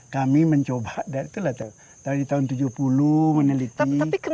kami mencoba dari tahun tujuh puluh meneliti